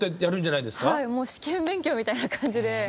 はいもう試験勉強みたいな感じで。